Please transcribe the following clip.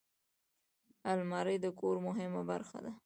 الماري د کور مهمه برخه ده